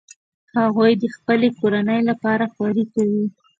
هغوی د خپلې کورنۍ لپاره خواري کوي